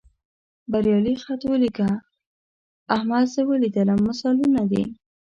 بریالي خط ولیکه، احمد زه ولیدلم مثالونه دي.